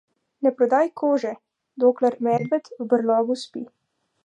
Ne prodaj kože, dokler medved v brlogu spi.